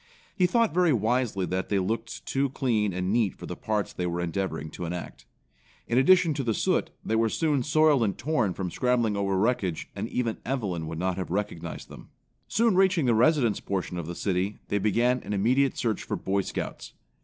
He thought very wisely that they looked too clean and neat for the parts they were endeavoring to enact. In addition to the soot, they were soon soiled and torn from scrambling over wreckage and even Evelyn would not have recognized them. Soon reaching the residence portion of the city, they began an immediate search for Boy Scouts.